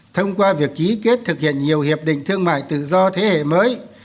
thông qua việc ký kết thực hiện nhiều hiệp định thương mại tự do thế hệ mới